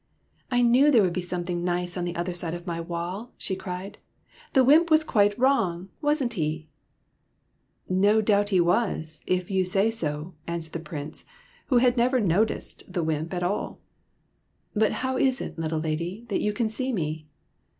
'' I knew there would be something nice on the other side of my wall," she cried. '' The wymp was quite wrong, was n't he ?"'' No doubt he was, if you say so," answered the Prince, who had never noticed the wymp 78 SOMEBODY ELSE'S PRINCE at all. " But how is it, little lady, that you can see me